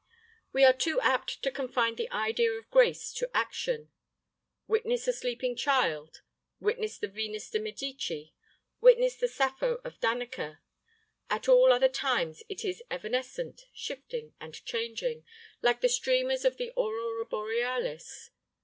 We are too apt to confine the idea of grace to action. Witness a sleeping child witness the Venus de Medici witness the Sappho of Dannecker. At all other times it is evanescent, shifting, and changing, like the streamers of the Aurora Borealis.